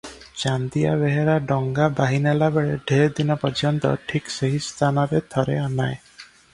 ଚାନ୍ଦିଆ ବେହେରା ଡଙ୍ଗା ବାହିନେଲାବେଳେ ଢେର୍ ଦିନପର୍ଯ୍ୟନ୍ତ ଠିକ୍ ସେହି ସ୍ଥାନରେ ଥରେ ଅନାଏ ।